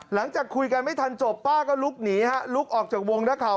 หลังจากคุยกันไม่ทันจบป้าก็ลุกหนีฮะลุกออกจากวงนักข่าว